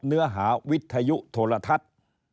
เนื้อหาวิทยุโทรทัศน์